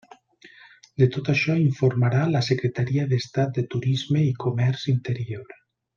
De tot això informarà la Secretaria d'Estat de Turisme i Comerç Interior.